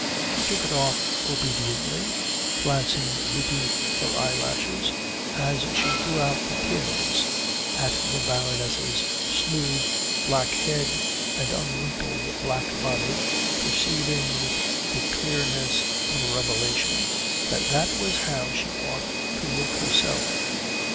She took it off obediently, glancing beneath her eyelashes, as she drew out the pins, at the Baroness's smooth black head and unwrinkled black body, perceiving with the clearness of a revelation that that was how she ought to look herself.